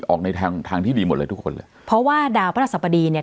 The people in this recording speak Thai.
ออกในทางทางที่ดีหมดเลยทุกคนเลยเพราะว่าดาวพระราชสัปดีเนี่ย